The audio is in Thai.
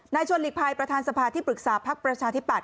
ชวนหลีกภัยประธานสภาที่ปรึกษาพักประชาธิปัต